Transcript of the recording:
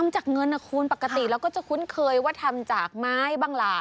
จากเงินนะคุณปกติเราก็จะคุ้นเคยว่าทำจากไม้บ้างล่ะ